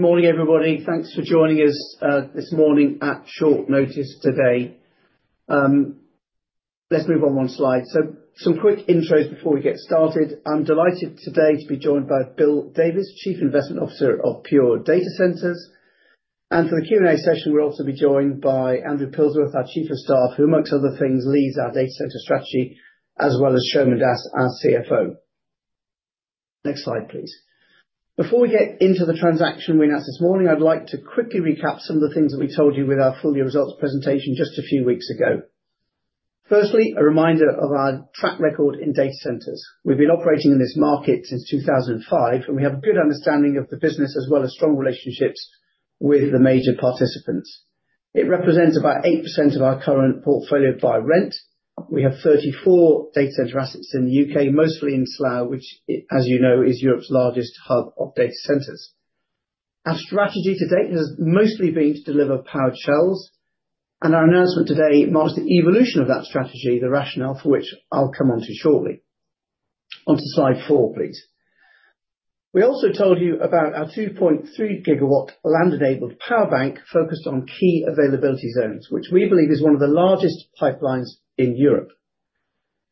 Good morning everybody. Thanks for joining us this morning at short notice. Today, let's move on slide 1, so some quick intros before we get started. I'm delighted today to be joined by Bill Davis, Chief Investment Officer of Pure Data Centres Group. And for the Q&A session we'll also be joined by Andrew Pilsworth, our Chief of Staff, who amongst other things leads our data center strategy, as well as Soumen Das, our CFO. Next slide please. Before we get into the transaction we announced this morning, I'd like to quickly recap some of the things that we told you with our full year results presentation just a few weeks ago. Firstly, a reminder of our track record in data centers. We've been operating in this market since 2005 and we have a good understanding of the business as well as strong relationships with the major participants. It represents about 8% of our current portfolio by rent. We have 34 data center assets in the U.K., mostly in Slough, which, as you know, is Europe's largest hub of data centers. Our strategy to date has mostly been to deliver powered shells and our announcement today marks the evolution of that strategy, the rationale for which I'll come on to shortly. Onto slide 4, please. We also told you about our 2.3 GW land enabled power bank focused on key availability zones, which we believe is one of the largest pipelines in Europe,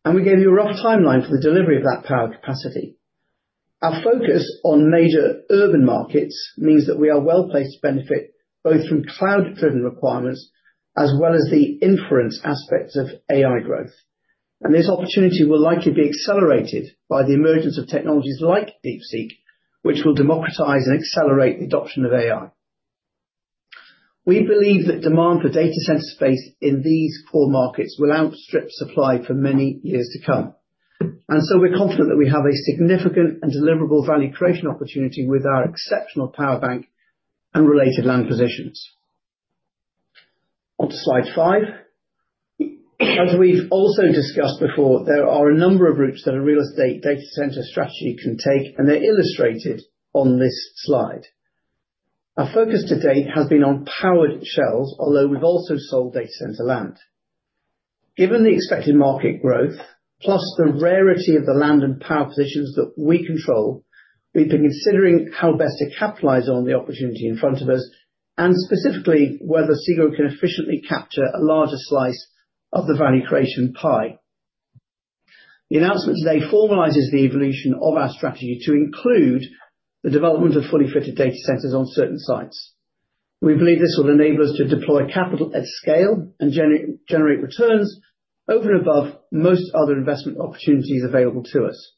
and we gave you a rough timeline for the delivery of that power capacity. Our focus on major urban markets means that we are well placed to benefit both from cloud driven requirements as well as the inference aspects of AI growth, and this opportunity will likely be accelerated by the emergence of technologies like DeepSeek, which will democratize and accelerate the adoption of AI. We believe that demand for data center space in these core markets will outstrip supply for many years to come, and we are confident that we have a significant and deliverable value creation opportunity with our exceptional power bank and related land positions. On to slide 5. As we have also discussed before, there are a number of routes that a real estate data center strategy can take, and they are illustrated on this slide. Our focus to date has been on powered shells, although we have also sold data center land. Given the expected market growth plus the rarity of the land and power positions that we control, we've been considering how best to capitalize on the opportunity in front of us, and specifically whether SEGRO can efficiently capture a larger slice of the value creation pie. The announcement today formalizes the evolution of our strategy to include the development of fully fitted data centers on certain sites. We believe this will enable us to deploy capital at scale and generate returns over and above most other investment opportunities available to us.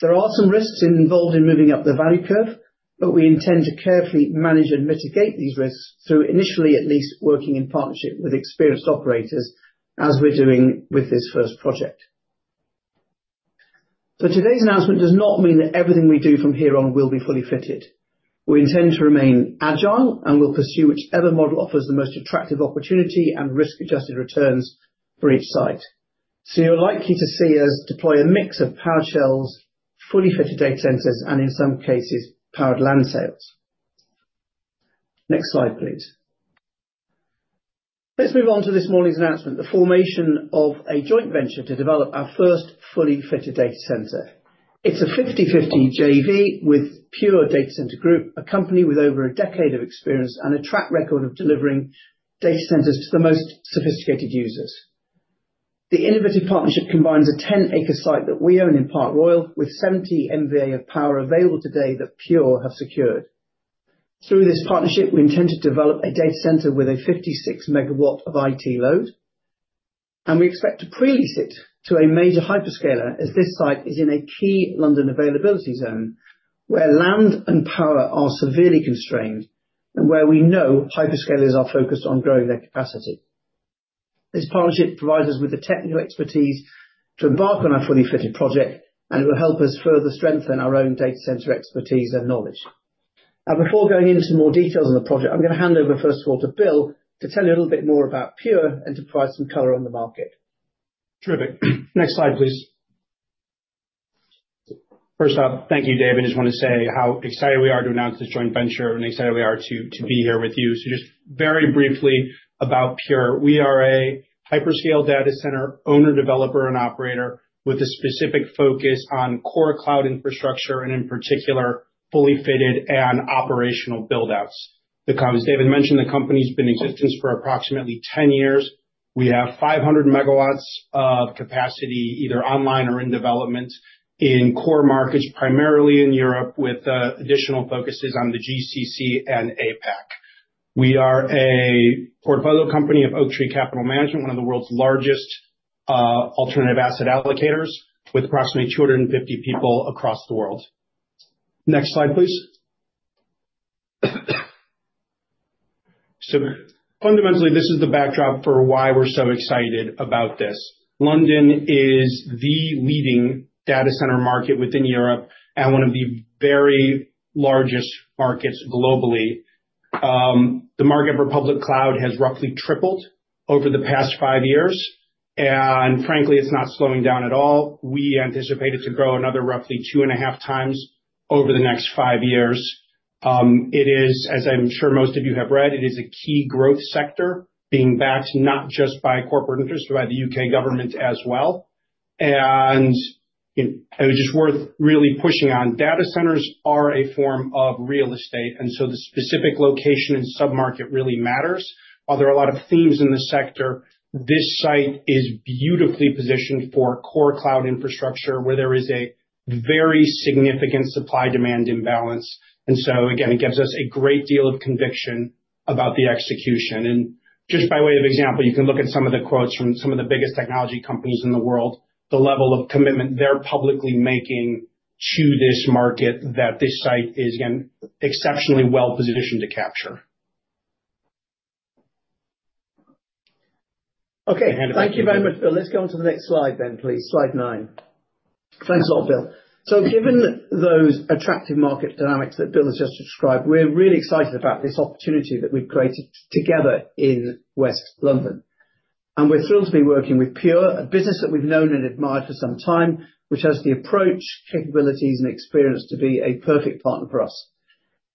There are some risks involved in moving up the value curve, but we intend to carefully manage and mitigate these risks through, initially at least, working in partnership with experienced operators, as we're doing with this first project. Today's announcement does not mean that everything we do from here on will be fully fitted. We intend to remain agile and will pursue whichever model offers the most attractive opportunity and risk-adjusted returns for each site. You are likely to see us deploy a mix of powered shells, fully fitted data centers, and in some cases powered land sales. Next slide. Let's move on to this morning's announcement. The formation of a joint venture to develop our first fully fitted data center. It is a 50-50 JV with Pure Data Centres Group, a company with over a decade of experience and a track record of delivering data centers to the most sophisticated users. The innovative partnership combines a 10 acre site that we own in Park Royal with 70 MVA of power available today that Pure have secured. Through this partnership we intend to develop a data center with a 56 MW of IT load and we expect to pre-lease it to a major hyperscaler. As this site is in a key London availability zone where land and power are severely constrained and where we know hyperscalers are focused on growing their capacity. This partnership provides us with the technical expertise to embark on a fully fitted project and it will help us further strengthen our own data center expertise and knowledge. Now before going into more details on the project, I'm going to hand over first of all to Bill to tell you a little bit more about Pure and to provide some color on the market. Terrific. Next slide please. First off. Thank you David. I just want to say how excited we are to announce this joint venture and excited we are to be here with you. Just very briefly about Pure. We are a hyperscale data center owner, developer and operator with a specific focus on core cloud infrastructure and in particular fully fitted and operational buildouts. As David mentioned, the company's been in existence for approximately 10 years. We have 500 megawatts of capacity either online or in development in core markets, primarily in Europe, with additional focuses on the GCC and APAC. We are a portfolio company of Oaktree Capital Management, one of the world's largest alternative asset allocators with approximately 250 people across the world. Next slide please. Fundamentally this is the backdrop for why we're so excited about this. London is the leading data center market within Europe and one of the very largest markets globally. The market public cloud has roughly tripled over the past five years and frankly, it's not slowing down at all. We anticipate it to grow another roughly two and a half times over the next five years. It is, as I'm sure most of you have read, it is a key growth sector being backed not just by corporate interest by the U.K. government as well, and just worth really pushing on. Data centers are a form of real estate and so the specific location and submarket really matters. While there are a lot of themes in the sector, this site is beautifully positioned for core cloud infrastructure where there is a very significant supply demand imbalance. It gives us a great deal of conviction about the execution. Just by way of example, you can look at some of the quotes from some of the biggest technology companies in the world. The level of commitment they're publicly making to this market that this site is exceptionally well positioned to capture. Okay, thank you very much, Bill. Let's go on to the next slide then, please. Slide 9. Thanks a lot, Bill. Given those attractive market dynamics that Bill has just described, we're really excited about this opportunity that we've created together in West London. We're thrilled to be working with Pure, a business that we've known and admired for some time, which has the approach, capabilities, and experience to be a perfect partner for us.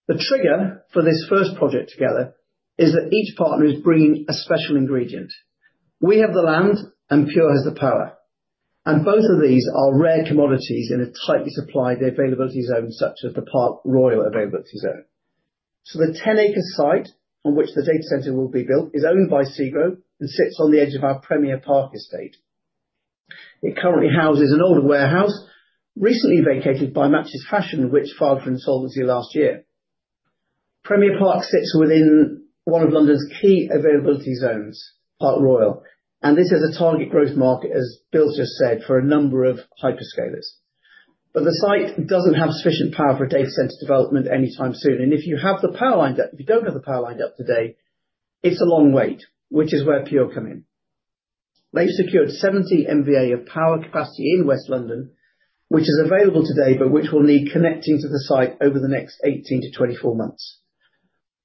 The trigger for this first project together is that each partner is bringing a special ingredient. We have the land and Pure has the power. Both of these are rare commodities in a tightly supplied availability zone such as the Park Royal availability zone. The 10 acre site on which the data centre will be built is owned by SEGRO and sits on the edge of our Premier Park estate. It currently houses an older warehouse recently vacated by Matches Fashion, which filed for insolvency last year. Premier Park sits within one of London's key availability zones, Park Royal. This is a target growth market, as Bill just said, for a number of hyperscalers. The site does not have sufficient power for data center development anytime soon. If you do not have the power lined up today, it is a long wait, which is where Pure come in. They've secured 70 MVA of power capacity in West London, which is available today, but which will need connecting to the site over the next 18-24 months.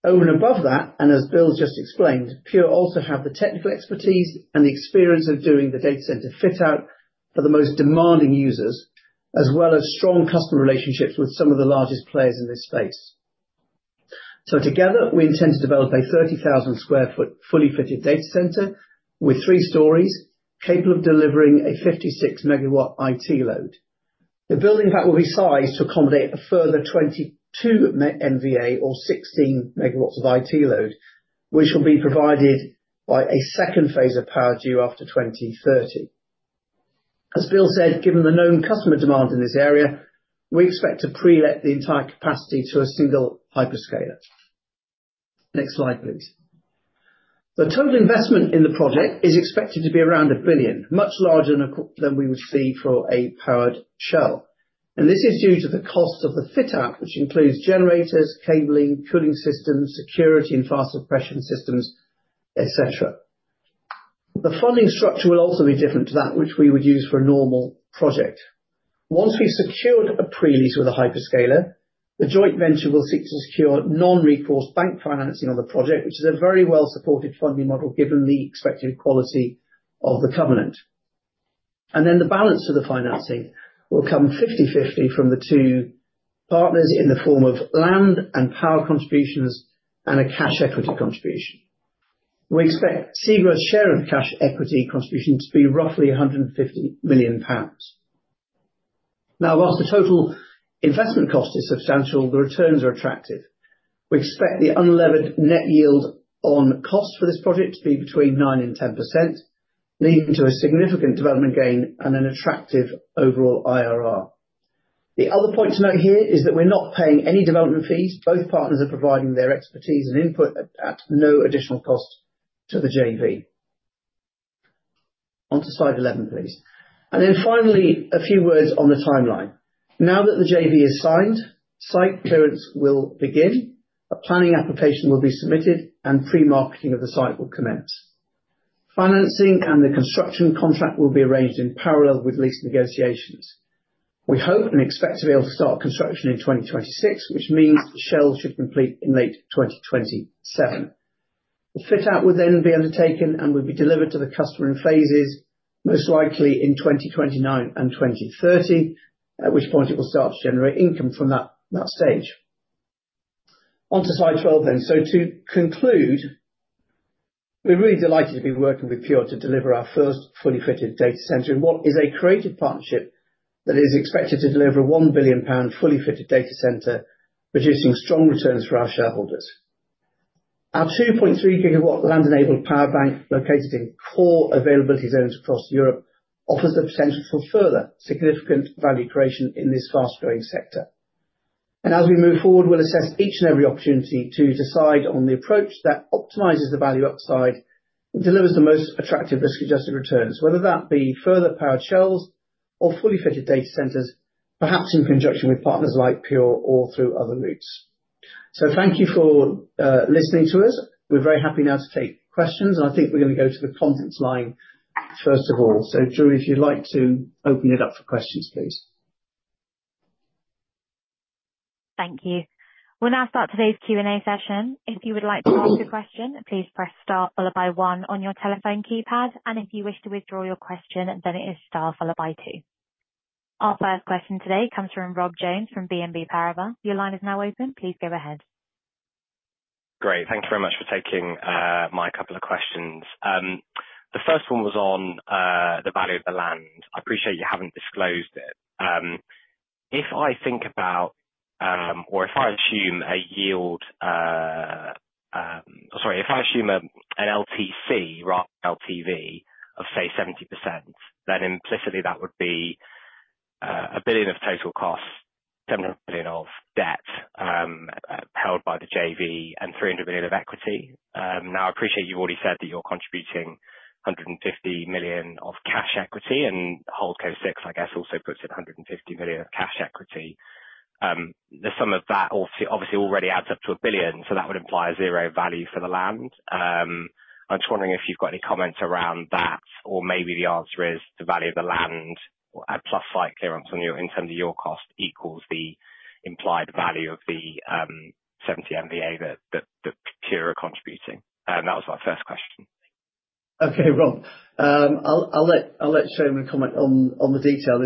Over and above that, and as Bill's just explained, Pure also have the technical expertise and the experience of doing the data center fit out for the most demanding users as well as strong customer relationships with some of the largest players in this space. Together we intend to develop a 30,000 sq ft fully fitted data center with three storeys capable of delivering a 56 megawatt IT load. The building pack will be sized to accommodate a further 22 MVA or 16 megawatts of IT load which will be provided by a second phase of power due after 2030. As Bill said, given the known customer demand in this area, we expect to pre-let the entire capacity to a single hyperscaler. Next slide please. The total investment in the project is expected to be around 1 billion, much larger than we would see for a powered shell. This is due to the cost of the fit-out, which includes generators, cabling, cooling systems, security, and fire suppression systems, etc. The funding structure will also be different to that which we would use for a normal project. Once we've secured a pre-lease with a hyperscaler, the joint venture will seek to secure non-recourse bank financing on the project, which is a very well supported funding model given the expected quality of the covenant. The balance of the financing will come 50-50 from the two partners in the form of land and power contributions and a cash equity contribution. We expect SEGRO's share of cash equity contribution to be roughly 150 million pounds. Now, whilst the total investment cost is substantial, the returns are attractive. We expect the unlevered net yield on cost for this project to be between 9%-10%, leading to a significant development gain and an attractive overall IRR. The other point to note here is that we're not paying any development fees. Both partners are providing their expertise and input at no additional cost to the JV. On to slide 11 please. Finally, a few words on the timeline. Now that the JV is signed, site clearance will begin, a planning application will be submitted and pre-marketing of the site will commence. Financing and the construction contract will be arranged in parallel with lease negotiations. We hope and expect to be able to start construction in 2026, which means the shell should complete in late 2027. The fit out would then be undertaken and would be delivered to the customer in phases, most likely in 2029 and 2030, at which point it will start to generate income from that stage. Onto slide 12 then. To conclude, we're really delighted to be working with Pure to deliver our first fully fitted data center in what is a creative partnership that is expected to deliver a 1 billion pound fully fitted data center, producing strong returns for our shareholders. Our 2.3 GW land enabled power bank located in core availability zones across Europe offers the potential for further significant value creation in this fast growing sector. As we move forward, we'll assess each and every opportunity to decide on the approach that optimizes the value upside and delivers the most attractive risk adjusted returns, whether that be further powered shells or fully fitted data centers, perhaps in conjunction with partners like Pure or through other routes. Thank you for listening to us. We're very happy now to take questions and I think we're going to go to the conference line first of all. Drew, if you'd like to open it up for questions, please. Thank you. We will now start today's Q&A session. If you would like to ask a question, please press star followed by one on your telephone keypad. If you wish to withdraw your question, it is star followed by two. Our first question today comes from Rob Jones from BNP Paribas. Your line is now open. Please go ahead. Great. Thank you very much for taking my couple of questions. The first one was on the value of the land. I appreciate you have not disclosed it. If I think about, or if I assume a yield. Sorry, if I assume an LTC rather than LTV of say 70%, then implicitly that would be 1 billion of total costs, 700 million of debt held by the JV and 300 million of equity. Now I appreciate you have already said that you are contributing 150 million of cash equity and HoldCo 6, I guess also puts in 150 million of cash equity. Some of that obviously already adds up to 1 billion. That would imply zero value for the land. I am just wondering if you have any comments around that. Maybe the answer is the value of the land plus site clearance in terms of your cost equals the implied value of the 70 MVA that Pure are contributing. That was my first question. Okay, Rob, I'll let Soumen comment on the detail.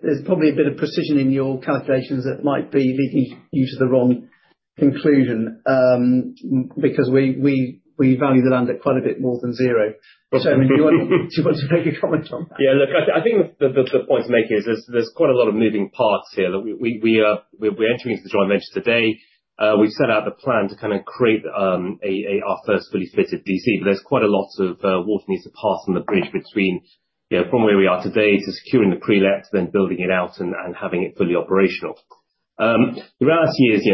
There's probably a bit of precision in your calculations that might be leading you to the wrong conclusion because we value the land at quite a bit more than zero. Soumen, do you want to make a comment on that? Yeah, look, I think the point to make is there's quite a lot of moving parts here that we're entering into the joint venture today. We've set out the plan to kind of create our first fully fitted DC, but there's quite a lot of water needs to pass on the bridge between from where we are today to securing the pre let, then building it out and having it fully operational. The reality is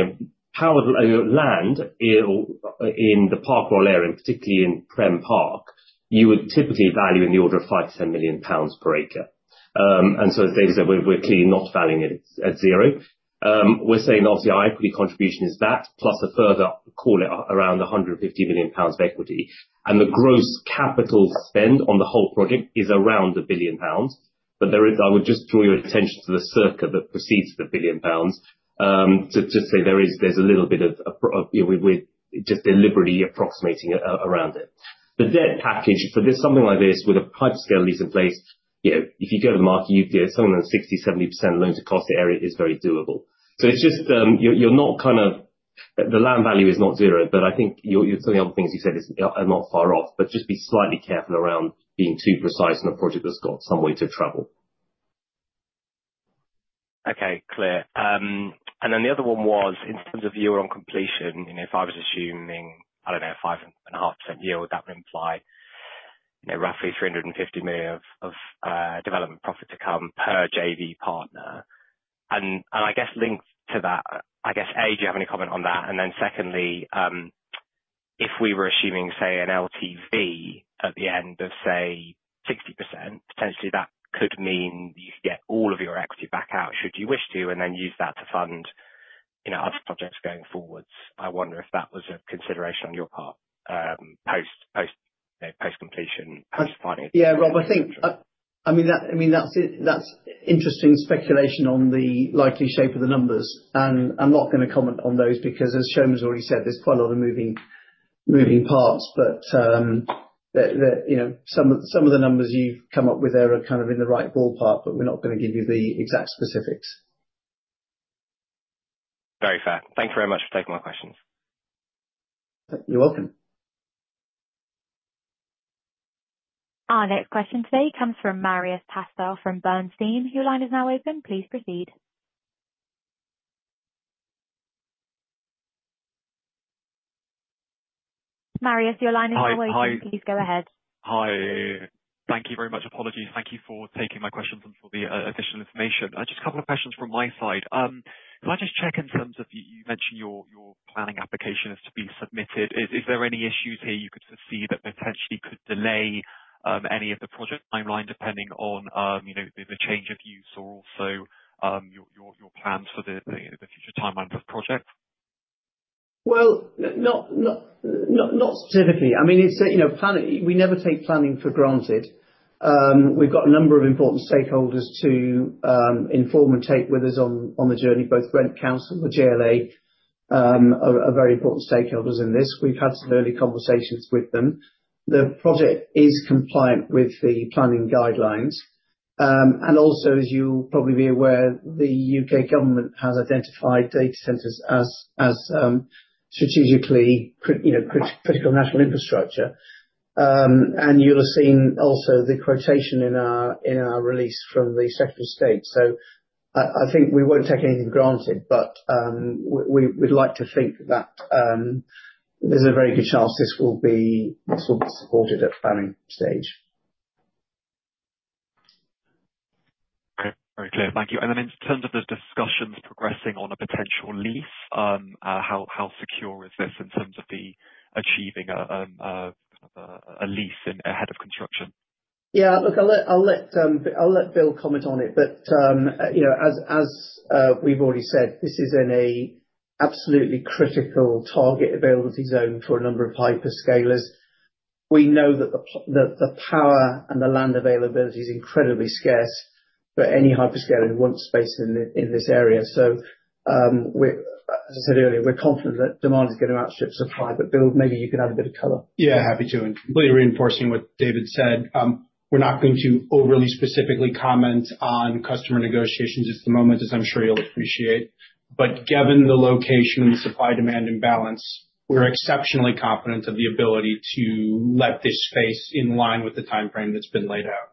powered land in the Park Royal area and particularly in Premier Park, you would typically value in the order of 5 million-10 million pounds per acre. And so as David said, we're clearly not valuing it at zero. We're saying obviously our equity contribution is that plus a further, call it, around 150 million pounds of equity and the gross capital spend on the whole project is around 1 billion pounds. I would just draw your attention to the circa that precedes the billion pounds to say there is, there's a little bit of just deliberately approximating around it. The debt package for this, something like this with a hyperscale lease in place, if you go to the market you get something 60-70% loan to cost. The area is very doable. It's just you're not kind of, the land value is not zero. I think you're telling other things you said are not far off, but just be slightly careful around being too precise in a project that's got some way to travel. Okay, clear. Then the other one was in terms of yield on completion, if I was assuming, I don't know, 5.5% yield, that would imply roughly 350 million of development profit to come per JV partner and I guess linked to that. I guess A, do you have any comment on that? Then secondly, if we were assuming say an LTV at the end of say 60% potentially that could mean you could get all of your equity back out should you wish to, and then use that to fund other projects going forwards. I wonder if that was a consideration on your part post completion, post finding. Yeah, Rob, I think that's interesting speculation on the likely shape of the numbers and I'm not going to comment on those because as Soumen has already said, there's quite a lot of moving parts. Some of the numbers you've come up with there are kind of in the right ballpark, but we're not going to give you the exact specifics. Very fair. Thank you very much for taking my questions. You're welcome. Our next question today comes from Marios Pastou from Bernstein. Your line is now open. Please proceed. Marius, your line is open. Please go ahead. Hi, thank you very much. Apologies. Thank you for taking my questions and for the additional information. Just a couple of questions from my side. Can I just check in terms of you mentioned your planning application is to be submitted. Is there any issues here you could foresee that potentially could delay any of the project timeline, depending on the change of use, or also your plans for the future timeline of the project? I mean, we never take planning for granted. We've got a number of important stakeholders to inform and take with us on the journey. Both Brent Council, the GLA are very important stakeholders in this. We've had some early conversations with them. The project is compliant with the planning guidelines. Also, as you'll probably be aware, the U.K. government has identified data centers as strategically critical national infrastructure. You'll have seen also the quotation in our release from the Secretary of State. I think we won't take anything for granted, but we'd like to think that there's a very good chance this will be supported at the planning stage. Very clear, thank you. In terms of those discussions progressing on a potential lease, how secure is this in terms of achieving a lease ahead of construction? Yeah, look, I'll let Bill comment on it, but you know, as we've already said, this is an absolutely critical target availability zone for a number of hyperscalers. We know that the power and the land availability is incredibly scarce for any hyperscaler who wants space in this area. As I said earlier, we're confident that demand is going to outstrip supply. Bill, maybe you could add a bit of color. Yeah, happy to. Completely reinforcing what David said. We're not going to overly specifically comment on customer negotiations at the moment, as I'm sure you'll appreciate, but given the location, supply, demand imbalance, we're exceptionally confident of the ability to let this space in line with the time frame that's been laid out.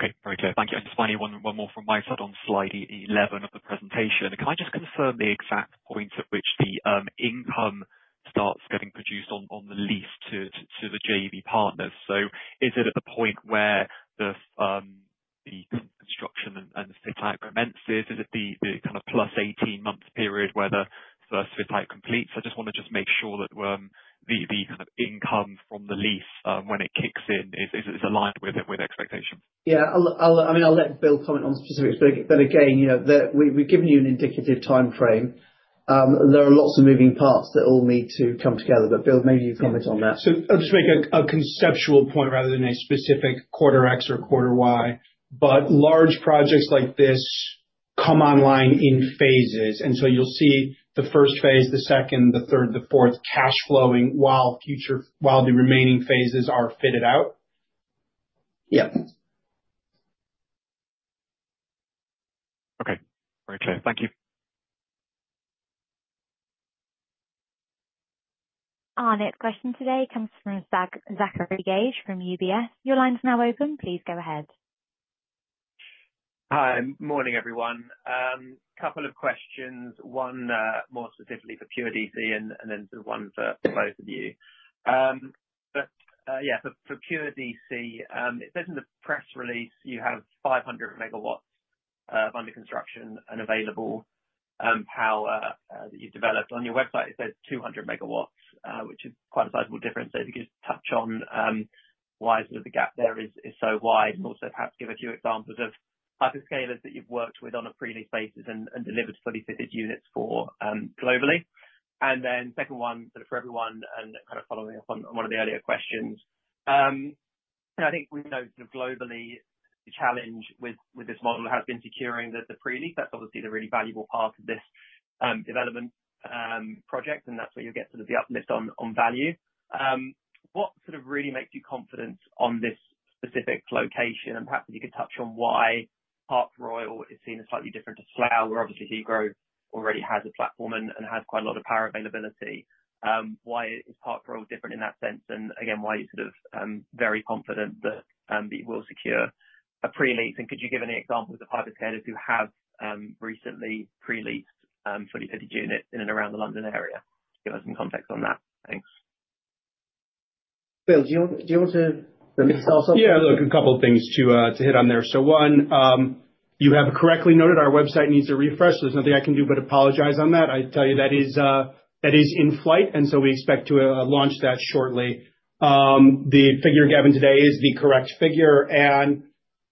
Okay, very clear, thank you. Finally, one more from my side on slide 11 of the presentation. Can I just confirm the exact point at which the income starts getting produced on the lease to the JV partners? Is it at the point where the construction and fit out commences? Is it the kind of plus 18 month period where the first fit out completes? I just want to make sure that the income from the lease, when it kicks in, is aligned with expectations? Yeah, I mean, I'll let Bill comment on specifics, but again, we've given you an indicative time frame. There are lots of moving parts that all need to come together. Bill, maybe you comment on that. I'll just make a conceptual point rather than a specific quarter X or quarter Y. Large projects like this come online in phases, and you'll see the first phase, the second, the third, the fourth, cash flowing while the remaining phases are fitted out. Yeah. Okay, thank you. Our next question today comes from Zachary Gauge from UBS. Your line is now open. Please go ahead. Hi. Morning everyone. Couple of questions, one more specifically for Pure DC and then one for both of you. For Pure DC, it says in the press release you have 500 megawatts under construction and available power that you've developed. On your website it says 200 megawatts, which is quite a sizable difference. If you could touch on why sort of the gap there is so wide and also perhaps give a few examples of hyperscalers that you've worked with on a prelist basis and delivered fully fitted units for globally. The second one for everyone and kind of following up on one of the earlier questions, I think we know globally the challenge with this model has been securing the Pure Leaf. That's obviously the really valuable part of this development project and that's where you get sort of the uplift on value. What sort of really makes you confident on this specific location? Perhaps if you could touch on why Park Royal is seen as slightly different to Slough, where obviously SEGRO already has a platform and has quite a lot of power availability. Why is Park Royal different in that sense? Again, why are you sort of very confident that you will secure a pre-lease? Could you give any examples of hyperscalers who have recently pre-leased a fully fitted unit in and around the London area? Give us some context on that. Thanks Bill. Do you want to start off? Yeah, look, a couple of things to hit on there. One, you have correctly noted our website needs a refresh. There's nothing I can do but apologize on that. I tell you that is in flight and we expect to launch that shortly. The figure, Gauge, today is the correct figure and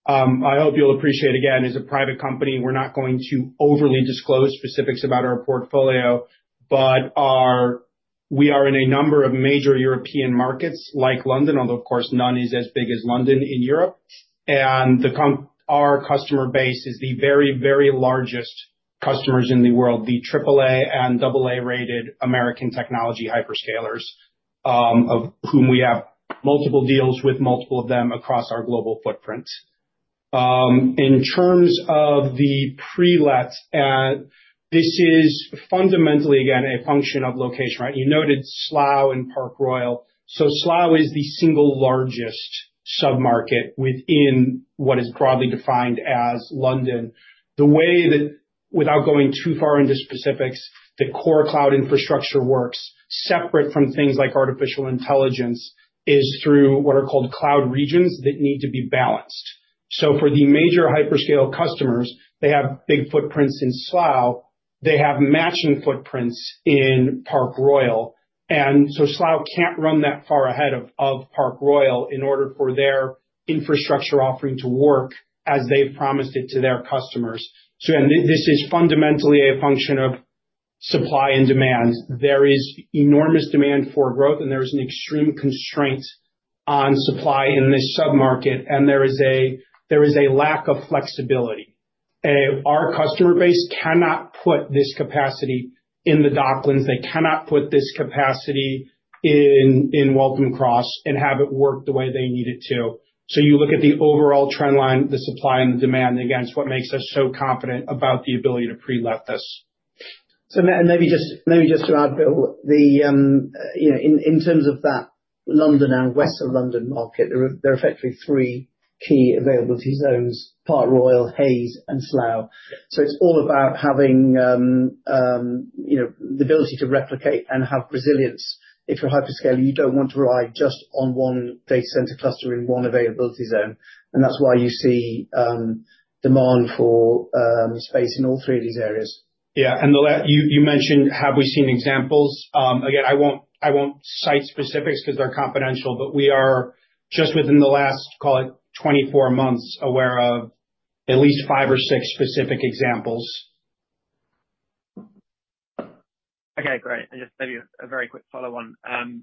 I hope you'll appreciate. Again, as a private company, we're not going to overly disclose specifics about our portfolio, but we are in a number of major European markets like London, although of course none is as big as London in Europe and our customer base is the very, very largest customers in the world. The AAA and AA rated American technology hyperscalers of whom we have multiple deals with multiple of them across our global footprint. In terms of the pre-let, this is fundamentally again a function of location. Right, you noted Slough and Park Royal. Slough is the single largest submarket within what is broadly defined as London. The way that, without going too far into specifics, the core cloud infrastructure works separate from things like artificial intelligence is through what are called cloud regions that need to be balanced. For the major hyperscale customers, they have big footprints in Slough, they have matching footprints in Park Royal. Slough cannot run that far ahead of Park Royal in order for their infrastructure offering to work as they have promised it to their customers. This is fundamentally a function of supply and demand. There is enormous demand for growth and there is an extreme constraint on supply in this submarket and there is a lack of flexibility. Our customer base cannot put this capacity in the Docklands, they cannot put this capacity in Waltham Cross and have it work the way they need it to. You look at the overall trend line, the supply and the demand, again, it is what makes us so confident about the ability to pre-let this. Maybe just to add, Bill, in terms of that London and West London market, there are effectively three key availability zones, Park Royal, Hayes and Slough. It is all about having the ability to replicate and have resilience. If you are a hyperscaler, you do not want to rely just on one data center cluster in one availability zone. That is why you see demand for space in all three of these areas. Yeah, and you mentioned, have we seen examples? Again, I won't, I won't cite specifics because they're confidential, but we are just within the last, call it, 24 months, aware of at least five or six specific examples. Okay, great. Just maybe a very quick follow on.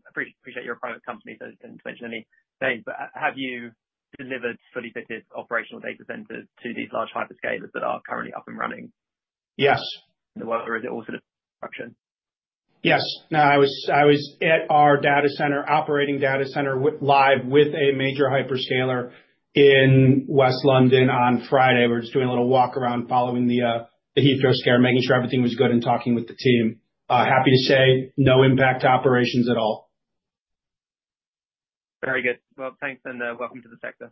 Appreciate your private company. So did not mention anything, but have you delivered fully fitted operational data centers to these large hyperscalers that are currently up and running? Yes. Yes, I was at our data center, operating data center live with a major hyperscaler in West London on Friday. We were just doing a little walk around following the Heathrow scare, making sure everything was good and talking with the team. Happy to say no impact operations at all. Very good. Thanks and welcome to the sector.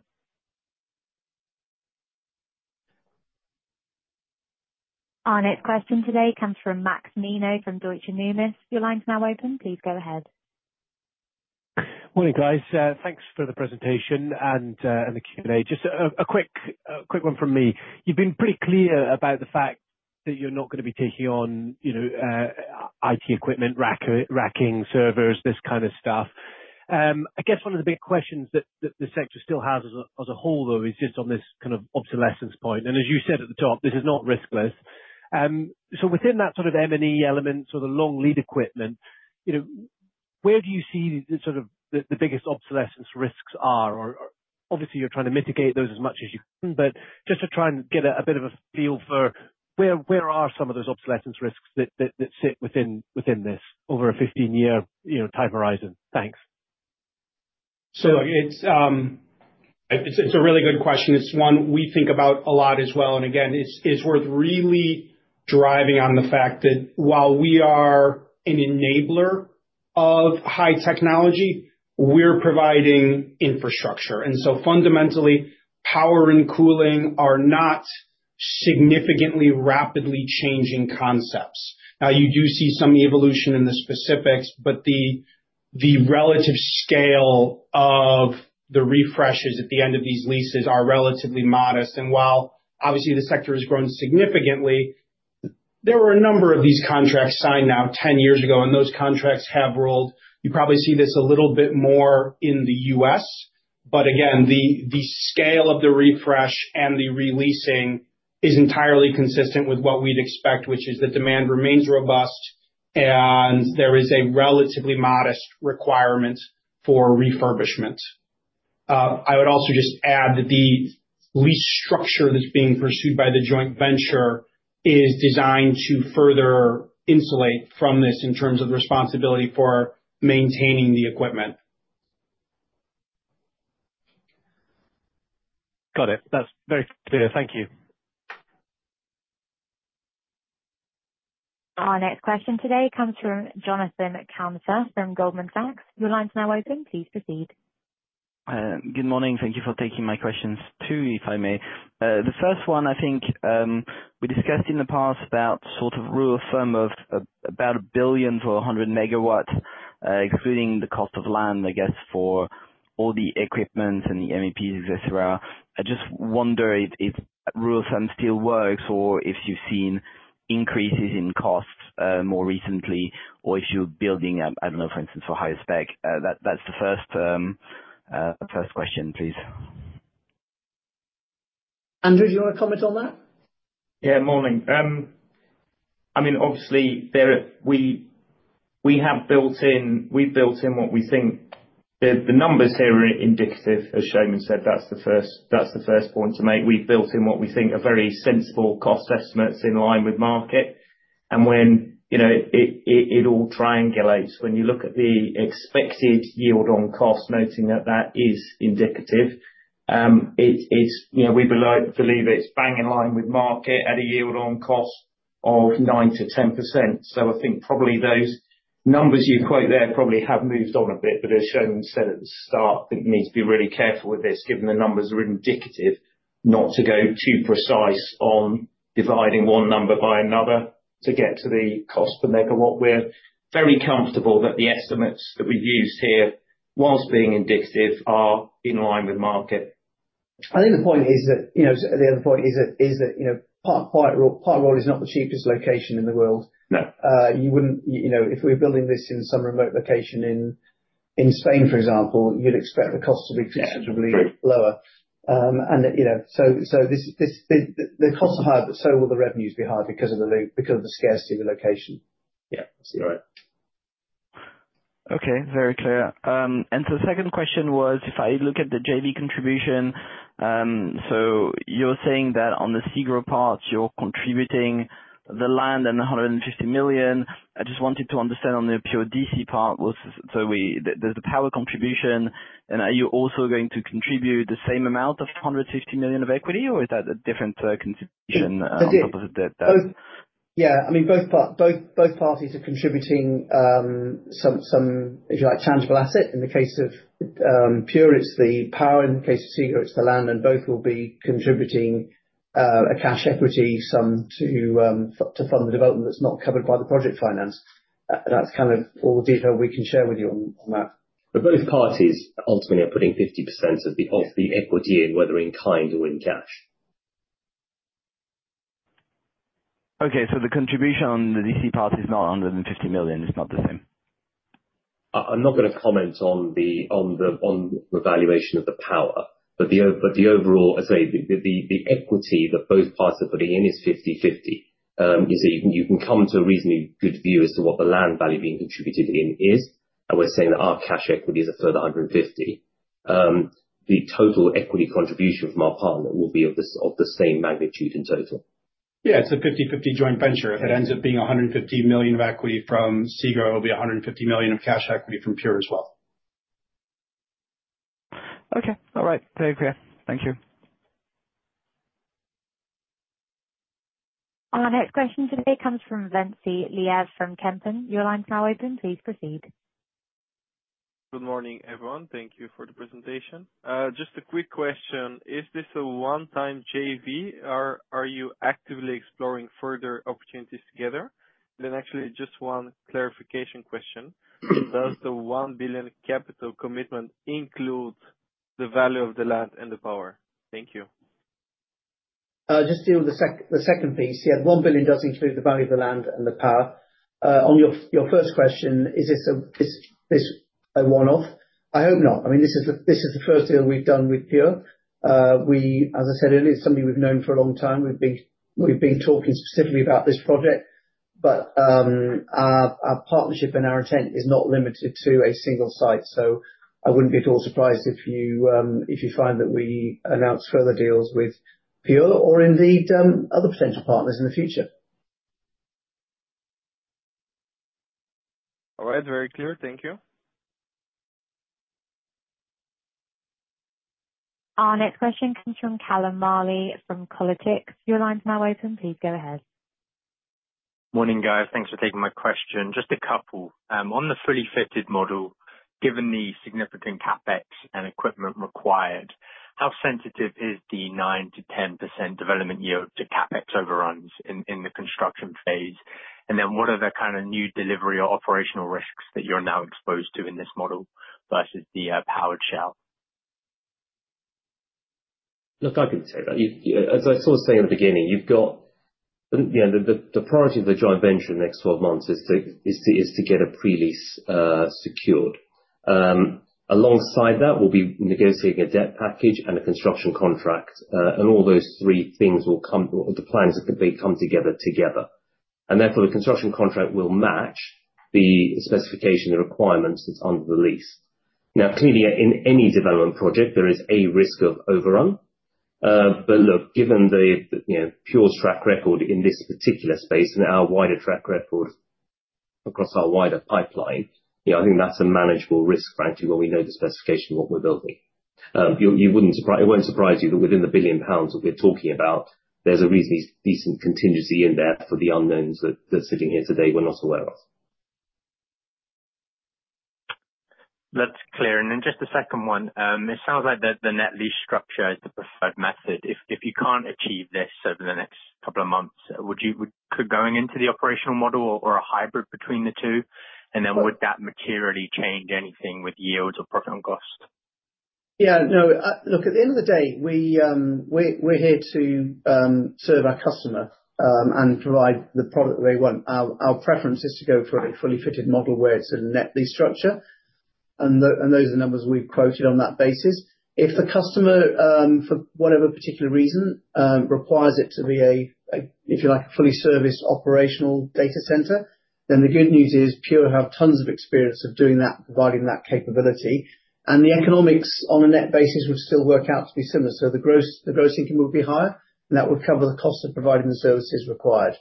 Our next question today comes from Max Nimmo from Deutsche Bank. Your line's now open. Please go ahead. Morning guys. Thanks for the presentation and the Q&A. Just a quick one from me. You've been pretty clear about the fact that you're not going to be taking on IT equipment, racking servers, this kind of stuff. I guess one of the big questions that the sector still has as a whole though is just on this kind of obsolescence point and as you said at the top, this is not risk-less. Within that sort of M&E element, sort of long lead equipment, where do you see the biggest obsolescence risks are? Obviously you're trying to mitigate those as much as you can, but just to try and get a bit of a feel for where are some of those obsolescence risks that sit within this over a 15 year, you know, tie horizon. Thanks. So. It's a really good question. It's one we think about a lot as well. It's worth really driving on the fact that while we are an enabler of high technology, we're providing infrastructure. Fundamentally, power and cooling are not significantly rapidly changing concepts. You do see some evolution in the specifics, but the relative scale of the refreshes at the end of these leases are relatively modest. While obviously the sector has grown significantly, there were a number of these contracts signed now 10 years ago and those contracts have rolled. You probably see this a little bit more in the U.S. but the scale of the refresh and the releasing is entirely consistent with what we'd expect, which is that demand remains robust and there is a relatively modest requirement for refurbishment. I would also just add that the lease structure that's being pursued by the joint venture is designed to further insulate from this in terms of responsibility for maintaining the equipment. Got it. That's very clear. Thank you. Our next question today comes from Jonathan Carter from Goldman Sachs. Your line is now open. Please proceed. Good morning. Thank you for taking my questions too. If I may. The first one, I think we discussed in the past about sort of rule of thumb of about 1 billion to 100 megawatt, excluding the cost of land, I guess, for all the equipment and the MEPs, etc. I just wonder if rule of thumb still works or if you've seen increases in costs more recently or if you're building, I don't know, for instance, for higher spec. That's the first question. Please. Andrew, do you want to comment on that? Yeah. Morning. I mean, obviously we have built in. We've built in what we think. The numbers here are indicative. As Soumen said, that's the first point to make. We've built in what we think are very sensible cost estimates in line with market. When it all triangulates, when you. Look at the expected yield on cost, noting that that is indicative. We believe it's bang in line with market. A yield on cost of 9-10%. I think probably those numbers you quote there probably have moved on a bit. But as Soumen said at the start. That you need to be really careful. With this, given the numbers are indicative. Not to go too precise on dividing one number by another to get to the cost per megawatt. We're very comfortable that the estimates that. We use here, whilst being indicative, are. In line with market. I think the point is that, you know, the other point is that, you know, Park Royal is not the cheapest location in the world. You wouldn't, you know, if we were building this in some remote location in Spain, for example, you'd expect the cost to be considerably lower. You know, the costs are higher, but so will the revenues be higher because of the loop, because of the scarcity of the location. Yeah. Okay, very clear. The second question was if I look at the JV contribution. You are saying that on the SEGRO part you are contributing the land and 150 million. I just wanted to understand on the Pure DC part. There is the power contribution. Are you also going to contribute the same amount of 150 million of equity or is that a different contribution? Yeah, I mean both parties are contributing some, if you like, tangible asset. In the case of Pure, it's the power. In the case of SEGRO, the land. Both will be contributing a cash equity sum to fund the development that's not covered by the project finance. That's kind of all the detail we can share with you on that. Both parties ultimately are putting 50% of the equity in, whether in kind or in cash. Okay, so the contribution on the D.C. part is not 150 million. It's not the same. I'm not going to comment on the valuation of the power, but overall the equity that both parts are putting in is 50-50. You see, you can come to a reasonably good view as to what the land value being contributed in is. And we're saying that our cash equity is a further 150 million. The total equity contribution of our partner will be of the same magnitude. In total, yeah, it's a 50:50 joint venture. If it ends up being 150 million of equity from SEGRO, it will be 150 million of cash equity from Pure as well. Okay. All right, thank you. Our next question today comes from Ventsi Iliev from Kempen. Your line is now open. Please proceed. Good morning everyone. Thank you for the presentation. Just a quick question. Is this a one time JV or are you actively exploring further opportunities together? Actually just one clarification question. Does the 1 billion capital commitment include the value of the land and the power? Thank you. Just deal with the second piece, yeah? $1 billion does include the value of the land and the power. On your first question, is this a one off? I hope not. I mean this is the first deal we've done with Pure. As I said earlier, it's something we've known for a long time. We've been talking specifically about this project, but our partnership and our intent is not limited to a single site. I wouldn't be at all surprised if you find that we announce further deals with Pure or indeed other potential partners in the future. All right, very clear, thank you. Our next question comes from Callum Marley from Kolytics. Your line's now open. Please go ahead. Morning guys. Thanks for taking my question. Just a couple. On the fully fitted model, given the significant CapEx and equipment required, how sensitive is the 9-10% development yield to CapEx overruns in the construction phase? What are the kind of new delivery or operational risks that you're now exposed to in this model versus the powered shell? Look, I can say that, as I sort of say in the beginning, you've got the priority of the joint venture next 12 months is to get a pre lease secured. Alongside that we'll be negotiating a debt package and a construction contract. All those three things will come, the plans, they come together together and therefore the construction contract will match the specification, the requirements. That's under the lease. Now clearly in any development project there is a risk of overrun. Look, given the Pure track record in this particular space and our wider track record across our wider pipeline, I think that's a manageable risk. Frankly, when we know the specification of what we're building, it won't surprise you that within the 1 billion pounds that we're talking about, there's a reasonably decent contingency in there for the unknowns that sitting here today we're not aware of. That's clear. Just the second one, it sounds like the net lease structure is the preferred method. If you can't achieve this over the next couple of months, would you consider going into the operational model or a hybrid between the two, and then would that materially change anything with yields or profit and cost? Yeah. No. Look, at the end of the day we're here to serve our customer and provide the product they want. Our preference is to go for a fully fitted model where it's a net lease structure and those are numbers we've quoted on that basis. If the customer, for whatever particular reason requires it to be a, if you like, a fully serviced operational data center. The good news is Pure have tons of experience of doing that, providing that capability, and the economics on a net basis would still work out to be similar. The gross income would be higher, and that would cover the cost of providing the services required.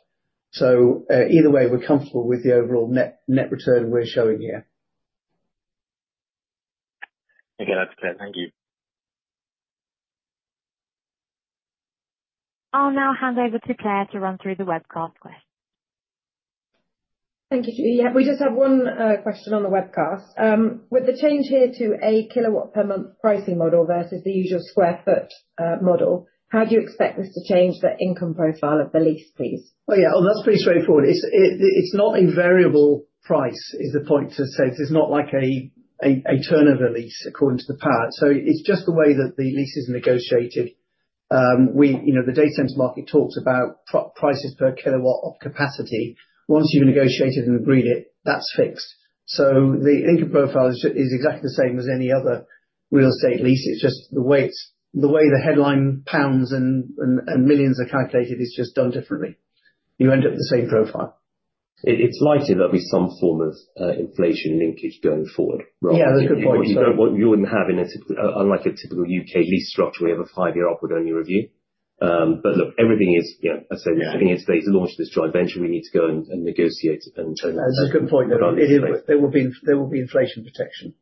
Either way we're comfortable with the overall net return we're showing here. Okay, that's clear. Thank you. I'll now hand over to Claire to run through the webcast. Questions? Thank you. We just have one question on the webcast. With the change here to a kilowatt per month pricing model versus the usual square footage model, how do you expect this to change the income profile of the lease, please? Oh yeah, that's pretty straightforward. It's not a variable price is the point to say this is not like a turnover lease according to the pallet. So it's just the way that the lease is negotiated. The data center market talks about prices per kilowatt of capacity. Once you've negotiated and agreed it that's fixed. So the income profile is exactly the same as any other real estate lease. It's just the way. It's the way the headline pounds and millions are calculated is just done differently. You end up with the same profile. It's likely there'll be some form of inflation linkage going forward. Yeah, that's a good point. You wouldn't have. Unlike a typical U.K. lease structure we have a five year upward only review. Look, everything is. I say to launch this joint venture we need to go and negotiate it and turn it. That's a good point. There will be inflation protection.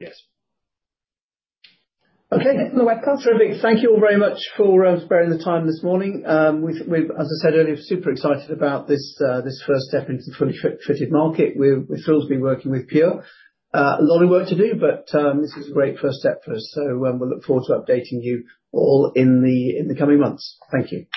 Yes. Okay, terrific. Thank you all very much for sparing the time this morning. We as I said earlier, are super excited about this first step into the fully fitted market. We're thrilled to be working with Pure. A lot of work to do but this is a great first step for us, so we look forward to updating you all in the coming months. Thank you.